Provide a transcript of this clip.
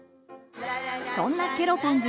そんなケロポンズ